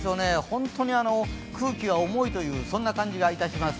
本当に空気が重いというそんな感じがいたします。